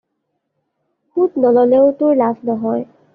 সুত নল'লেও তোৰ লাভ নহয়।